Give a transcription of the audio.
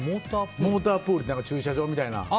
モータープールって駐車場みたいな。